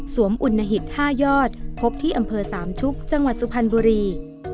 อุณหิต๕ยอดพบที่อำเภอสามชุกจังหวัดสุพรรณบุรี